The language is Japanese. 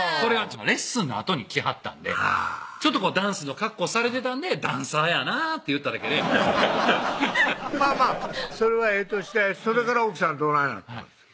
レッスンのあとに来はったんでダンスの格好されてたんで「ダンサーやな」って言っただけでハハハハッまぁまぁそれはええとしてそれから奥さんどないなったんですか？